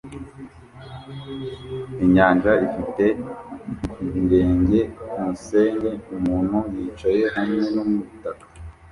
inyanja ifite ibirenge kumusenyi umuntu yicaye hamwe numutaka